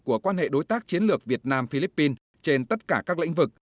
của quan hệ đối tác chiến lược việt nam philippines trên tất cả các lĩnh vực